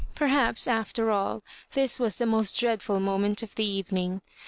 Perhaps, after all, this was the most dreadful moment of the evening.